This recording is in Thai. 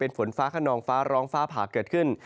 ฝนฟ้าขนองฟ้าร้องฟ้าผ่าเกิดขึ้น